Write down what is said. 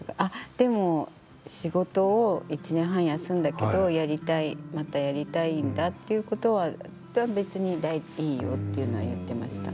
でも仕事を１年半休んだけどまたやりたいんだっていうことはそれは別にいいよというのは言ってました。